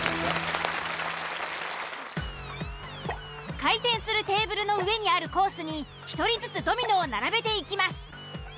回転するテーブルの上にあるコースに１人ずつドミノを並べていきます。